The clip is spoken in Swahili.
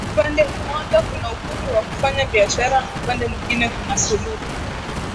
Upande mmoja kuna Uhuru wa kufanya biashara na upande mwingine kuna Suluhu